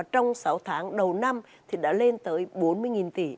trong sáu tháng đầu năm thì đã lên tới bốn mươi tỷ